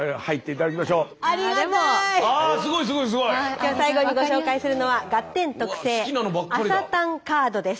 今日最後にご紹介するのはガッテン特製「朝たんカード」です。